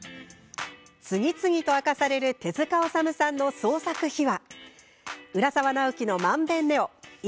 次々と明かされる手塚治虫さんの創作秘話。